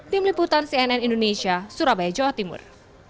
tim liputan cnn indonesia surabaya jawa timur